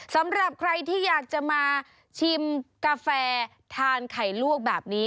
สำหรับใครที่อยากจะมาชิมกาแฟทานไข่ลวกแบบนี้